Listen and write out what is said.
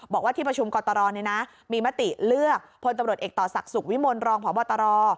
บอกว่าที่ประชุมกตรมีมติเลือกพลตำรวจเอกต่อศักดิ์สุขวิมลรองพบตร